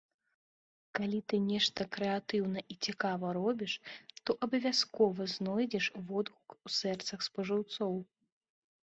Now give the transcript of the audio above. Калі ты нешта крэатыўна і цікава робіш, то абавязкова знойдзеш водгук у сэрцах спажыўцоў.